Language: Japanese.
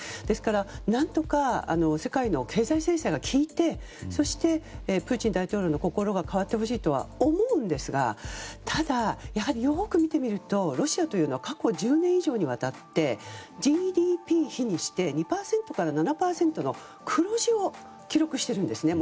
ですから、何とか世界の経済制裁が効いてプーチン大統領の心が変わってほしいとは思うんですがただ、やはりよく見てみるとロシアというのは過去１０年以上にわたってＧＤＰ比にして２％から７％の黒字を記録してるんです。